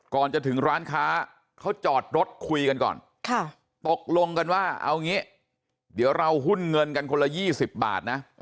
ก่อนจะถึงร้านค้าเขาจอดรถคุยกันก่อนตกลงกันว่าเอางี้เดี๋ยวเราหุ้นเงินกันคนละ๒๐บาทนะ